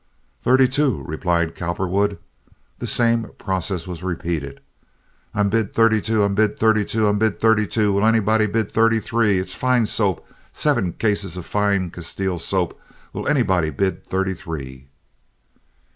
"Thirty two," replied Cowperwood. The same process was repeated. "I'm bid thirty two! I'm bid thirty two! I'm bid thirty two! Will anybody bid thirty three? It's fine soap. Seven cases of fine Castile soap. Will anybody bid thirty three?"